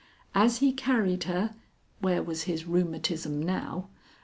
As he carried her where was his rheumatism now?